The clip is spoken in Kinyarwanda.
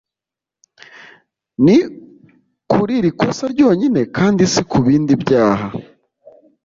Ni kuri iri kosa ryonyine kandi si ku bindi byaha